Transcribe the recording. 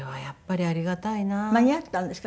間に合ったんですか？